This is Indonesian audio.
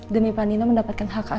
demi pak nino mendapatkan hak asuh rena